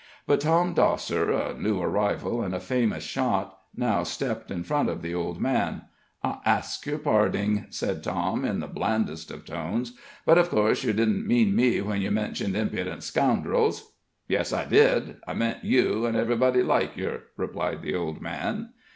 But Tom Dosser, a new arrival, and a famous shot, now stepped in front of the old man. "I ax yer parding," said Tom, in the blandest of tones, "but, uv course, yer didn't mean me when yer mentioned impudent scoundrels?" "Yes, I did I meant you, and ev'rybody like yer," replied the old man.